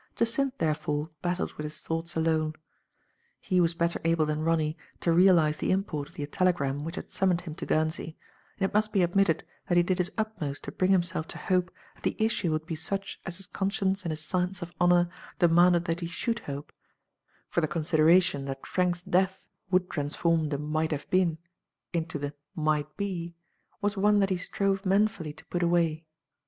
Jacynth therefore battled with his thoughts alone. He was better able than Ronny to realize the import of the telegram which had summoned him to Guernsey, and it must be ad mitted that he did his utmost to bring himself to hope that the issue would be such as his con science and his sense of honor demanded that he should hope ; for the consideration that Frank's death would transform the "might have been" Digitized by Google 36^ The fa te of fenellA. into the "might be" was one that he strove man fully to put away.